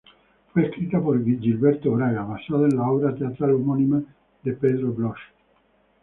Fue escrita por Gilberto Braga, basada en la obra teatral homónima de Pedro Bloch.